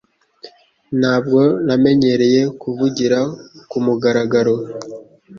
Ntabwo namenyereye kuvugira kumugaragaro